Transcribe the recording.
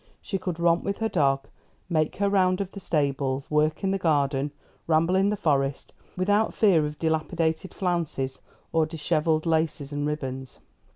She could romp with her dog, make her round of the stables, work in the garden, ramble in the Forest, without fear of dilapidated flounces or dishevelled laces and ribbons.